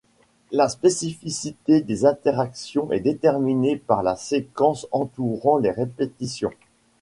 La spécificité des interactions est déterminée par la séquence entourant les répétitions.